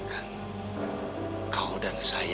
kau tidak perlu takut sama saya